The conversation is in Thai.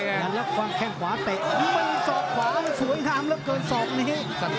นั้นแล้วความแข้งขวาเตะสอบขวาสวยทำแล้วกันสอบอย่างน้อย